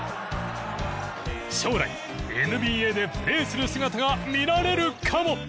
将来ＮＢＡでプレーする姿が見られるかも。